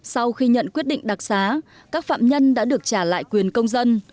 sau khi nhận quyết định đặc xá các phạm nhân đã được trả lại quyền công dân